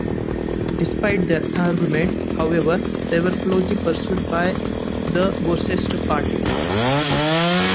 Despite their agreement, however, they were closely pursued by the Worcester party.